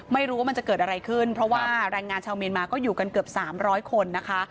ไม่รู้ว่ามันจะเกิดอะไรขึ้นเพราะว่าแรงงานชาวเมียนมาก็อยู่กันเกือบ๓๐๐คนนะคะ